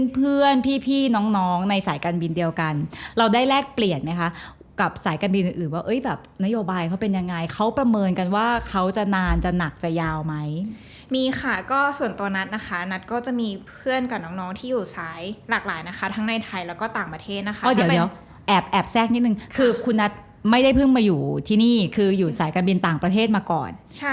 เพื่อนพี่น้องในสายการบินเดียวกันเราได้แลกเปลี่ยนไหมคะกับสายการบินอื่นอื่นว่าเอ้ยแบบนโยบายเขาเป็นยังไงเขาประเมินกันว่าเขาจะนานจะหนักจะยาวไหมมีค่ะก็ส่วนตัวนัทนะคะนัทก็จะมีเพื่อนกับน้องน้องที่อยู่สายหลากหลายนะคะทั้งในไทยแล้วก็ต่างประเทศนะคะเดี๋ยวแอบแอบแทรกนิดนึงคือคุณนัทไม่ได้เพิ่งมาอยู่ที่นี่คืออยู่สายการบินต่างประเทศมาก่อน